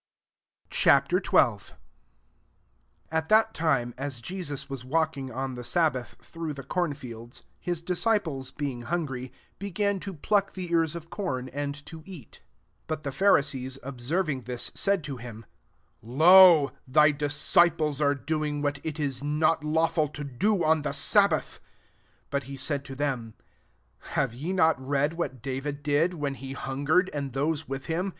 Ch. XXL 1 At that time, as Jesus was walking on the sab bath through the corn fields, his disciples being hungry, be gan to pluck the ears of com and to eat. 2 But the Phari sees observing thia^ said to him, << Lo, thy disciples are doing what it is not lawful to do on the sabbath." 3 But he said to them, " Have ye not read what David did, when he hungered, and those with him